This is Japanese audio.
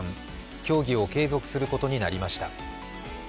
協議を継続することになりました。